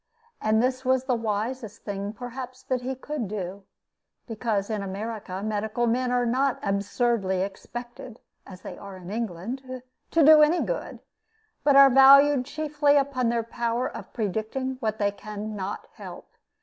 And this was the wisest thing perhaps that he could do, because in America medical men are not absurdly expected, as they are in England, to do any good, but are valued chiefly upon their power of predicting what they can not help.